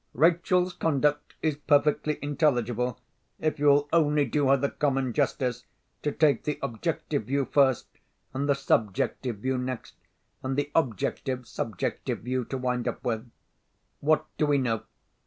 Rachel's conduct is perfectly intelligible, if you will only do her the common justice to take the Objective view first, and the Subjective view next, and the Objective Subjective view to wind up with. What do we know?